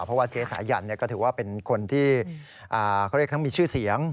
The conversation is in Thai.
เพราะว่าเจ๊สายันก็ถือว่าเป็นคนที่เขาเรียกทั้งมีชื่อเสียง